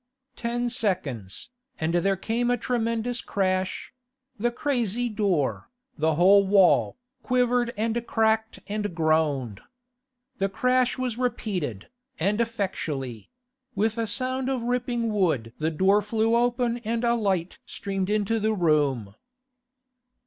Ten seconds, and there came a tremendous crash; the crazy door, the whole wall, quivered and cracked and groaned. The crash was repeated, and effectually; with a sound of ripping wood the door flew open and a light streamed into the room.